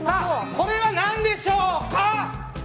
これは何でしょうか。